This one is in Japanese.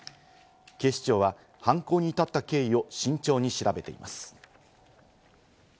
警視庁は犯行に至った経緯を慎重に調べています。